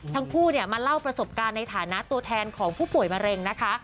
ทั้งคู่มาเล่าประสบการณ์ในฐานะตัวแทนของผู้ป่วยมะเร็งนะคะ